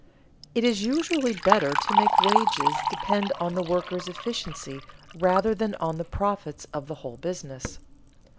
_It is usually better to make wages depend on the worker's efficiency rather than on the profits of the whole business.